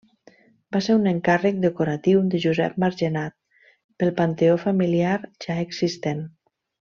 Va ser un encàrrec decoratiu de Josep Margenat pel panteó familiar ja existent.